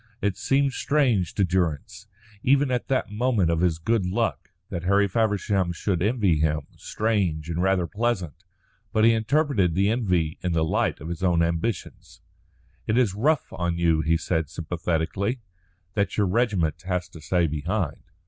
It seemed strange to Durrance, even at that moment of his good luck, that Harry Feversham should envy him strange and rather pleasant. But he interpreted the envy in the light of his own ambitions. "It is rough on you," he said sympathetically, "that your regiment has to stay behind."